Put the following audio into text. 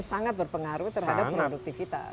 sangat berpengaruh terhadap produktivitas